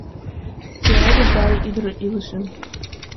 Пеледыш гай ӱдыр илышем